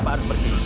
makasih pak ya